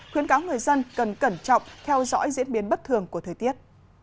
khuyến cáo người dân cần cẩn trọng theo dõi diễn biến bất thường của thời tiết